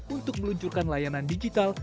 untuk meluncurkan layanan digital